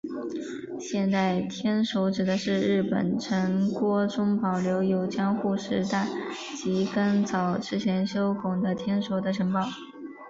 现存天守指的是日本城郭中保留有江户时代及更早之前修筑的天守的城堡。